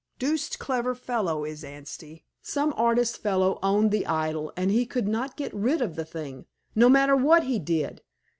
(Deuced clever fellow is Anstey!) Some artist fellow owned the idol, and he could not get rid of the thing, no matter what he did.